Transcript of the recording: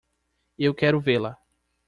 Eu quero vê-la.